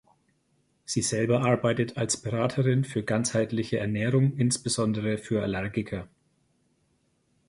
Sie selber arbeitet als Beraterin für ganzheitliche Ernährung insbesondere für Allergiker.